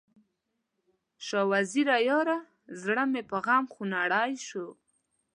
شاه وزیره یاره، زړه مې په غم خوړین شو